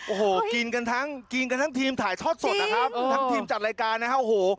โอ้โหกินกันทั้งทีมถ่ายชอบโชตนะครับทางทีมจัดรายการนะโอ้โห